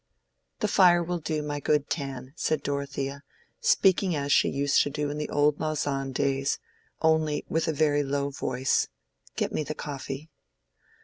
"The fire will do, my good Tan," said Dorothea, speaking as she used to do in the old Lausanne days, only with a very low voice; "get me the coffee."